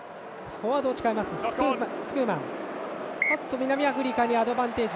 南アフリカにアドバンテージ。